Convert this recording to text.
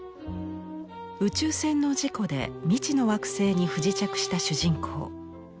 宇宙船の事故で未知の惑星に不時着した主人公。